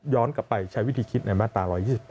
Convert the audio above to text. กลับไปใช้วิธีคิดในมาตรา๑๒๘